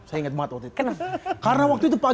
saya ingat banget waktu itu kenapa